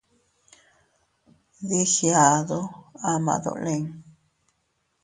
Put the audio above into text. Dii giadu ama dolin.